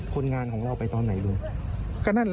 คนงานของเราไปเมื่อกี้ต้อนไหน